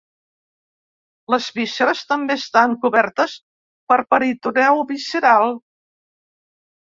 Les vísceres també estan cobertes per peritoneu visceral.